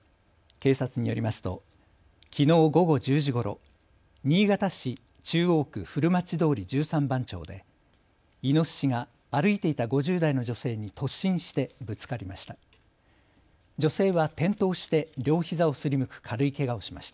警察によりますときのう午後１０時ごろ、新潟市中央区古町通１３番町でイノシシが歩いていた５０代の女性に突進してぶつかりました。